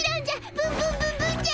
ブンブンブンブンじゃ！